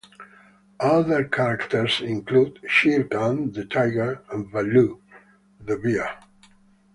Other characters include Shere Khan the tiger and Baloo the bear.